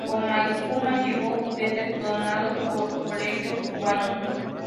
Gomaespuma llevó juguetes donados por colegios cubanos.